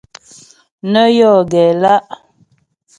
Nə́ yɔ gɛ lá'.